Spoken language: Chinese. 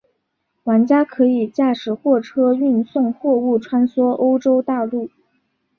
玩家可以驾驶货车运送货物穿梭欧洲大陆。